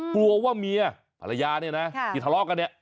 กลัวว่าเมียภรรยาที่ทะเลาะกัน